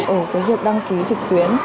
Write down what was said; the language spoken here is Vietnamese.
ồ cái việc đăng ký trực tuyến